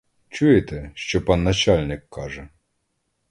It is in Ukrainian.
Чуєте, що пан начальник каже?